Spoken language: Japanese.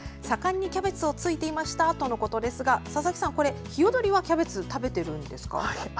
盛んにキャベツをついていましたとのことですが佐々木さん、ヒヨドリはキャベツを食べてるんですか？